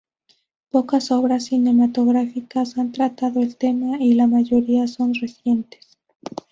Pocas obras cinematográficas han tratado el tema, y la mayoría son recientes.